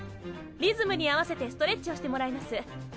リズムに合わせてストレッチをしてもらいます。